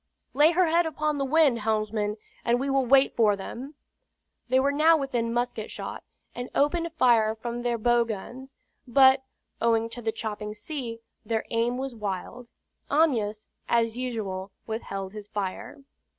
"Lay her head upon the wind, helmsman, and we will wait for them." They were now within musket shot, and opened fire from their bow guns; but, owing to the chopping sea, their aim was wild. Amyas, as usual, withheld his fire.